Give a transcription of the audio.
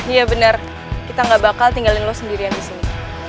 iya benar kita gak bakal tinggalin lo sendirian di sini